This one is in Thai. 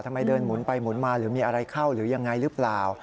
เดินหมุนไปหมุนมาหรือมีอะไรเข้าหรือยังไงหรือเปล่า